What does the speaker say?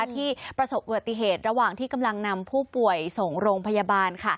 ที่ประสบอุบัติเหตุระหว่างที่กำลังนำผู้ป่วยส่งโรงพยาบาล